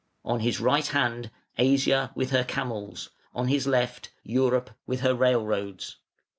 On his right hand Asia with her camels, on his left Europe with her railroads.